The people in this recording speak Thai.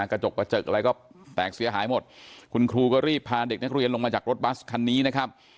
กระจกกระเจิกอะไรก็แตกเสียหายหมดคุณครูก็รีบพาเด็กนักเรียนลงมาจากรถบัสคันนี้นะครับ